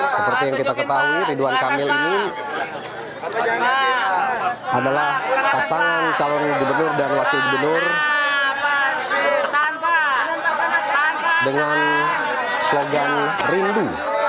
seperti yang kita ketahui ridwan kamil ini adalah pasangan calon gubernur dan wakil gubernur tanpa dengan slogan rindu